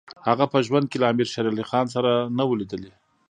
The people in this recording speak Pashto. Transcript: هغه په ژوند کې له امیر شېر علي خان سره نه وو لیدلي.